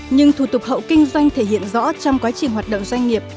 nhưng thủ tục hậu kinh doanh thể hiện rõ trong quá trình hoạt động doanh nghiệp